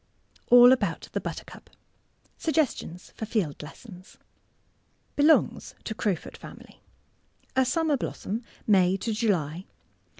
ALL ABOUT THE BUTTERCUP SUGGESTIONS FOR FIELD LESSONS Belongs to crowfoot family. A summer blossom— May to July.